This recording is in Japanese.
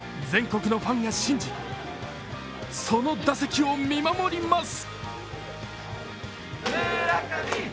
村神様の大偉業を全国のファンが信じその打席を見守ります。